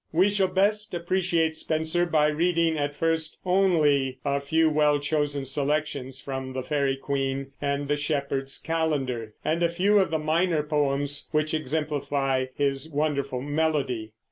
We shall best appreciate Spenser by reading at first only a few well chosen selections from the Faery Queen and the Shepherd's Calendar, and a few of the minor poems which exemplify his wonderful melody.